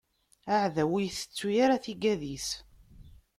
Aɛdaw ur itettu ara tigad-is.